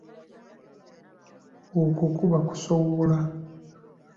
Okwo kuba kusowola.